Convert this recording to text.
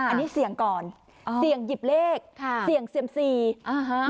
อันนี้เสี่ยงก่อนอ่าเสี่ยงหยิบเลขค่ะเสี่ยงเซียมซีอ่าฮะ